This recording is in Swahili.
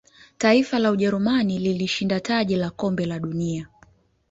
taifa la ujerumani lilishinda taji la kombe la dunia